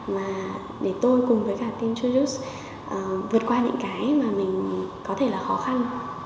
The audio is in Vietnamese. và để tôi cùng với cả team jujutsu vượt qua những cái mà mình có thể là khó khăn